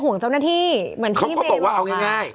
๗หลักเหมือนกัน